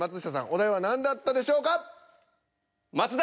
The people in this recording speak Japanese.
お題は何だったでしょうか。